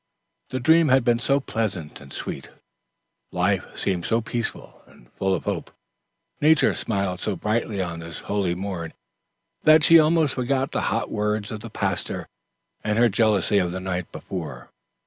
The dream had been so pleasant and sweet; life seemed so peaceful and full of hope; nature smiled so brightly on this holy morn, that she almost forgot the hot words of the pastor and her jealousy of the night before.